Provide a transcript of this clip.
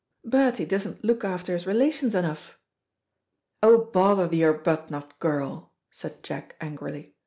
Bertie doesn't look after his relations enough." "Oh, bother the Arbuthnot girl," said Jack angrily.